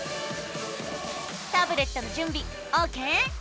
タブレットのじゅんびオーケー？